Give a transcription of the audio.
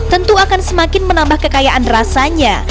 tentu akan semakin menambah kekayaan rasanya